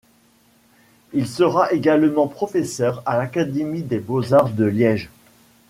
Il sera également professeur à l'académie des beaux-arts de Liège.